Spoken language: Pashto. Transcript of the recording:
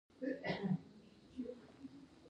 د معارف او مکاتیبو پراختیا.